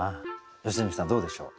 良純さんどうでしょう？